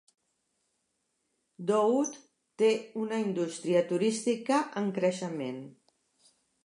Dohuk té una indústria turística en creixement.